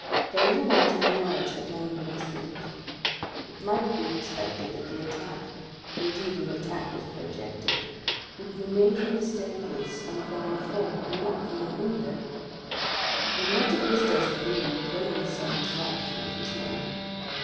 The little light in the lodge had long been extinct. It might be expected that the attack, if indeed an attack was projected, would be made from the staircase of the ground floor, and not from a window; in Monte Cristo's opinion, the villains sought his life, not his money.